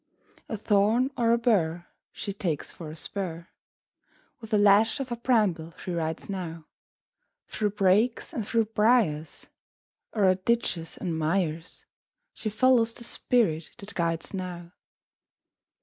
A thorn or a bur She takes for a spur; With a lash of a bramble she rides now, Through brakes and through briars, O'er ditches and mires, She follows the spirit that guides now.